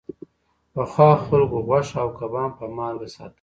پخوا خلکو غوښه او کبان په مالګه ساتل.